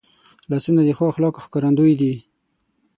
لاسونه د ښو اخلاقو ښکارندوی دي